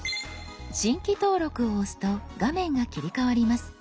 「新規登録」を押すと画面が切り替わります。